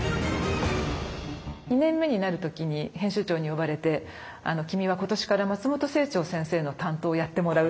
２年目になる時に編集長に呼ばれて「君は今年から松本清張先生の担当をやってもらう」って言われたんですね。